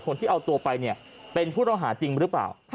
คนที่เอาตัวไปเนี่ยเป็นผู้ต้องหาจริงหรือเปล่า